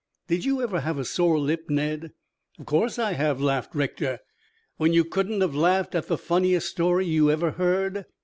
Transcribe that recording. "Did you ever have a sore lip, Ned?" "Of course I have," laughed Rector. "When you couldn't have laughed at the funniest story you ever heard?"